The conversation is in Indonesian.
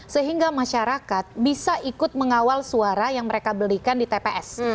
sehingga masyarakat bisa ikut mengawal suara yang mereka belikan di tps